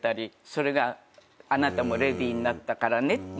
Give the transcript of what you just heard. それがあなたもレディーになったからねみたいな。